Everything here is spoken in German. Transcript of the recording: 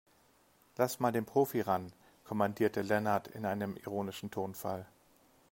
"Lass mal den Profi ran", kommandierte Lennart in einem ironischen Tonfall.